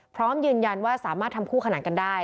พร้อมยืนยันว่าสามารถทำคู่ขนานกันได้